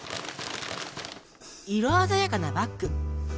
色鮮やかなバッグ。